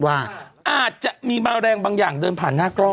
ว่าอาจจะมีแมลงบางอย่างเดินผ่านหน้ากล้อง